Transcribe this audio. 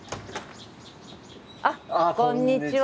あっこんにちは。